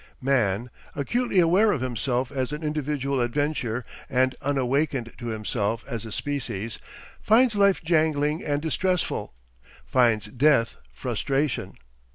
Man, acutely aware of himself as an individual adventure and unawakened to himself as a species, finds life jangling and distressful, finds death frustration.